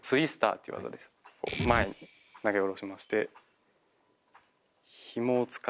前に投げ下ろしまして。